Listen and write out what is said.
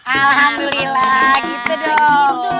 alhamdulillah gitu dong